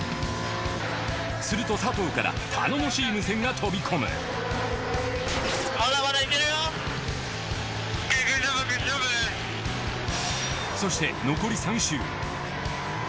すると佐藤から頼もしい無線が飛び込むそして残り３周。